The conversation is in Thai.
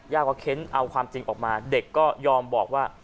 ว่าเค้นเอาความจริงออกมาเด็กก็ยอมบอกว่า